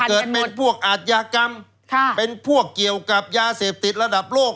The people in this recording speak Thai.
เกิดเป็นพวกอาทยากรรมเป็นพวกเกี่ยวกับยาเสพติดระดับโลก